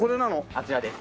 あちらです。